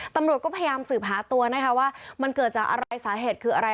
ตำรวจก็พยายามสืบหาตัวนะคะว่ามันเกิดจากอะไรสาเหตุคืออะไร